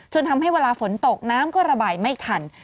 ทำให้เวลาฝนตกน้ำก็ระบายไม่ทัน